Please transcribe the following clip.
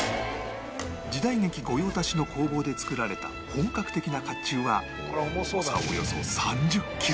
時代劇御用達の工房で作られた本格的な甲冑は重さおよそ３０キロ